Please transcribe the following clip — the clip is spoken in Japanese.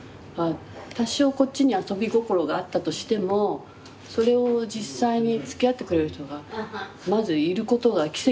多少こっちに遊び心があったとしてもそれを実際につきあってくれる人がまずいることが奇跡ですからね。